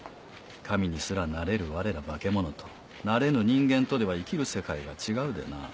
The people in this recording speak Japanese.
神にすらなれる我らバケモノとなれぬ人間とでは生きる世界が違うでな。